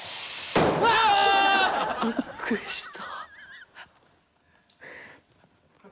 うわ！びっくりした。